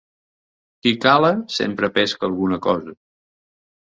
Qui cala, sempre pesca alguna cosa.